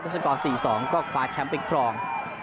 รัฐกร๔๒ก็คว้าแชมป์ไปครอง